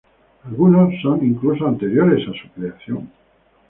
Algunos son incluso anteriores a su creación.